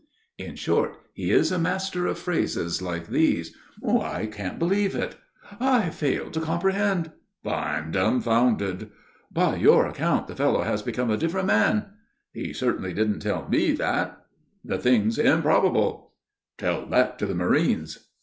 In short, he is a master of phrases like these: "I can't believe it"; "I fail to comprehend"; "I'm dumfounded"; "By your account the fellow has become a different man"; "He certainly didn't tell me that"; "The thing's improbable"; "Tell that to the marines!"